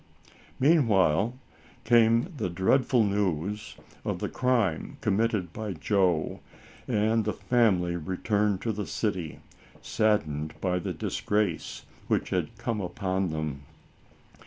Meanwhile came the dreadful news of the crime committed by Joe, and the family returned to the city, saddened by the disgrace, which had come upon them.